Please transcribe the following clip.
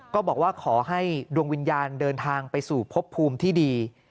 ก็บอกว่าขอให้ดวงวิญญาณเดินทางไปสู่พบภูมิที่ดี